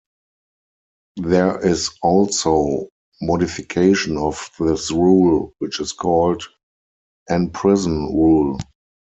There is also modification of this rule, which is called "en prison" rule.